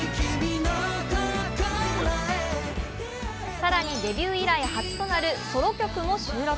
更にデビュー以来初となるソロ曲も収録。